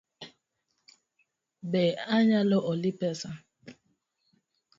Be anyalo oli pesa?